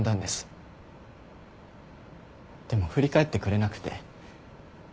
でも振り返ってくれなくて。